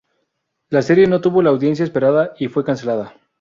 La serie no tuvo la audiencia esperada y fue cancelada.